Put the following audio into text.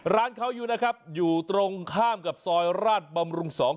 ร้านเขาอยู่นะครับอยู่ตรงข้ามกับซอยราชบำรุง๒